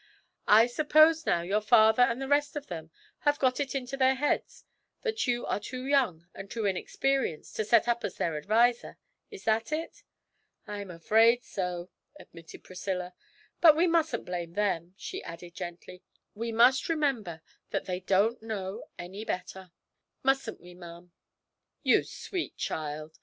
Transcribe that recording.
I suppose, now, your papa and the rest of them have got it into their heads that you are too young and too inexperienced to set up as their adviser is that it?' 'I'm afraid so,' admitted Priscilla; 'but we mustn't blame them,' she added gently, 'we must remember that they don't know any better mustn't we, ma'am?' 'You sweet child!'